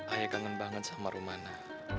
ayah kangen banget sama rumana